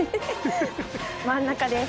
真ん中です